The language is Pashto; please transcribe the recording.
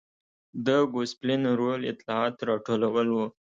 د ګوسپلین رول اطلاعات راټولول و.